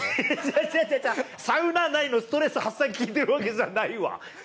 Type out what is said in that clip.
違う違う、サウナ内のストレス発散効いてるわけじゃないわ。